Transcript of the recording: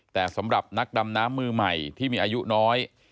แต่สำหรับนักดำน้ำมือใหม่ที่มีอายุน้อย